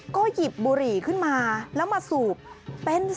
ก็หยิบบุหรี่ขึ้นมาแล้วมาสูบเป็น๑๐มวลเลยค่ะ